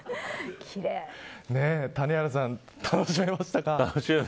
谷原さん、楽しめましたか。